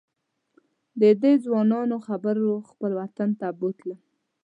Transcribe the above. ددې ځوانانو خبرو خپل وطن ته بوتلم.